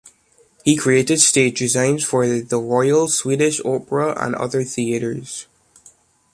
He created stage designs for the Royal Swedish Opera and other theaters.